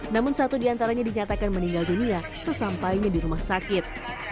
namun satu diantaranya dinyatakan meninggal dunia sesampainya di rumah sakit